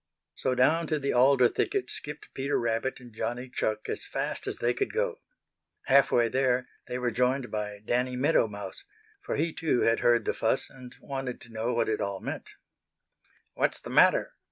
So down to the alder thicket skipped Peter Rabbit and Johnny Chuck as fast as they could go. Half way there they were joined by Danny Meadow Mouse, for he too had heard the fuss and wanted to know what it all meant. "What's the matter?"